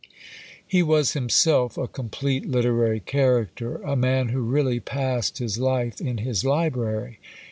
He was himself a complete literary character, a man who really passed his life in his library.